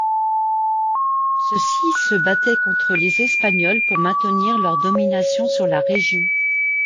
Ceux-ci se battaient contre les Espagnols pour maintenir leur domination sur la région.